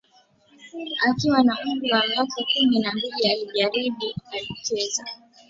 Akiwa na umri wa miaka kumi na mbili alijaribu alicheza